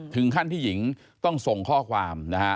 ถึงขั้นที่หญิงต้องส่งข้อความนะฮะ